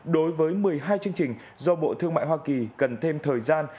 đối với một mươi hai chương trình do bộ thương mại hoa kỳ cần thêm thời gian